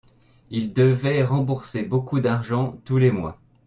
il devait rembourser beaucoup d'argent tous les mois.